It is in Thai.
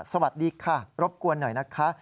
สวัสดีค่ะรบกวนหน่อยนะคะ